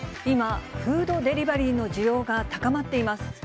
今、フードデリバリーの需要が高まっています。